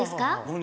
何？